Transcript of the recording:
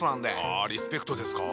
あリスペクトですか。